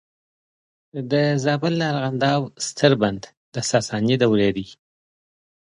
د زابل د ارغنداب ستر بند د ساساني دورې دی